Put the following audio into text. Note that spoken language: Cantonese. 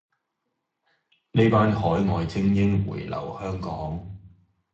呢班海外精英回留香港